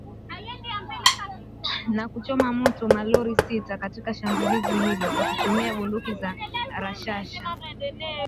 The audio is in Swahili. na kuchoma moto malori sita katika shambulizi hilo kwa kutumia bunduki za rashasha